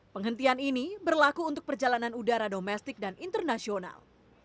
penghentian ini berlaku untuk perjalanan udara domestik dan internasional